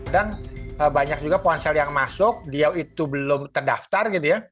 dan banyak juga ponsel yang masuk dia itu belum terdaftar gitu ya